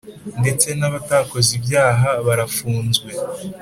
ndetse n abatakoze ibyaha barafunzwe.